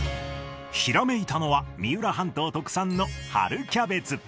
ひらめいたのは三浦半島特産の春キャベツ。